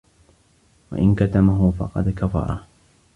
وَإِنْ كَتَمَهُ فَقَدْ كَفَرَهُ